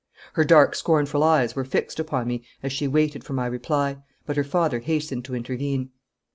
Her dark scornful eyes were fixed upon me as she waited for my reply, but her father hastened to intervene.